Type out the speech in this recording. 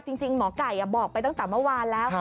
จริงหมอไก่บอกไปตั้งแต่เมื่อวานแล้ว